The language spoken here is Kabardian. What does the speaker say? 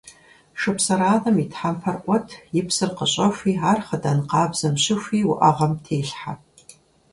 Шыпсыранэм и тхьэмпэр Ӏуэт, и псыр къыщӀэхуи, ар хъыдан къабзэм щыхуи уӀэгъэм телъхьэ.